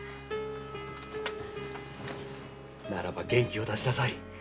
ならば元気を出しなさい。